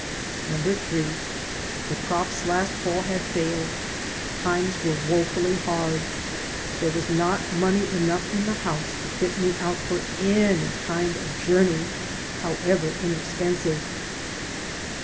Number three: The crops last fall had failed; times were woefully hard; there was not money enough in the house to fit me out for any kind of a journey, however inexpensive.